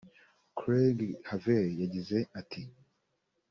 Craig Harvey yagize ati